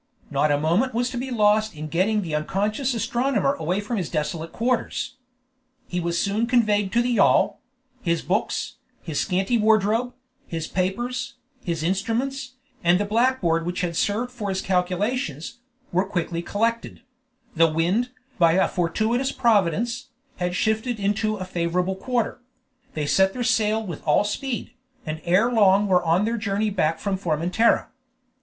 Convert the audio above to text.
Not a moment was to be lost in getting the unconscious astronomer away from his desolate quarters. He was soon conveyed to the yawl; his books, his scanty wardrobe, his papers, his instruments, and the blackboard which had served for his calculations, were quickly collected; the wind, by a fortuitous Providence, had shifted into a favorable quarter; they set their sail with all speed, and ere long were on their journey back from Formentera.